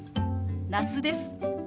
那須です。